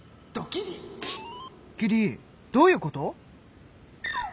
キリどういうこと！？